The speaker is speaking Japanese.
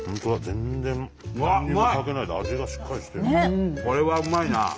全然何にもかけないで味がしっかりしてる。ねえ！これはうまいな！